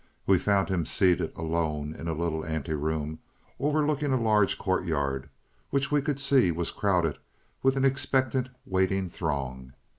We found him seated alone in a little anteroom, overlooking a large courtyard, which we could see was crowded with an expectant, waiting throng.